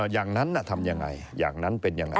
อย่างนั้นทำยังไงอย่างนั้นเป็นยังไง